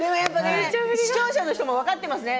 視聴者の人も分かっていますね。